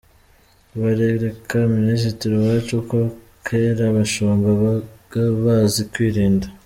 Barereka Minisitiri Uwacu uko kera abashumba abaga bazi kwirinda.